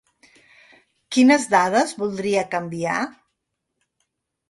Quines dades voldria canviar?